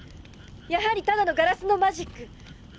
やはりただのガラスのマジック。